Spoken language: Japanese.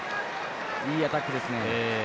いいアタックですね。